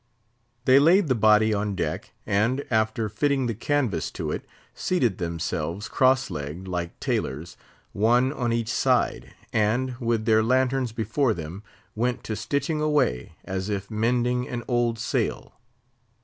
They laid the body on deck, and, after fitting the canvas to it, seated themselves, cross legged like tailors, one on each side, and, with their lanterns before them, went to stitching away, as if mending an old sail.